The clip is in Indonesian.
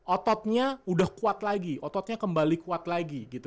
ototnya udah kuat lagi ototnya kembali kuat lagi gitu